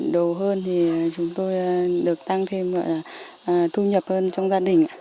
đồ hơn thì chúng tôi được tăng thêm gọi là thu nhập hơn trong gia đình